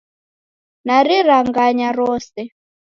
Nariranganya rose.